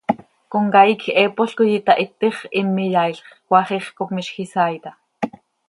Comcaii quij heepol coi itahitix, him iyaailx, cmaax ix cop miizj isaai taa.